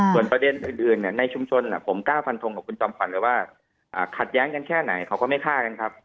ส่วนประเด็นอื่นในชุมชนผมกล้าฟันทงกับคุณจอมขวัญเลยว่าขัดแย้งกันแค่ไหนเขาก็ไม่ฆ่ากันครับ